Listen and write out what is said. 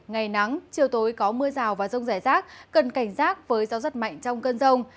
ngày nắng chiều tối có mưa rào và rông rải rác cần cảnh giác với gió rất mạnh trong cơn rông